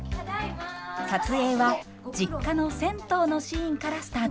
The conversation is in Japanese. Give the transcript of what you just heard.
撮影は実家の銭湯のシーンからスタートしました。